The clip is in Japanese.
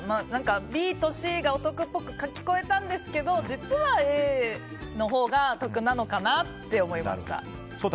ＢとＣがお得っぽく聞こえたんですけど実はＡのほうが得なのかなって思いました。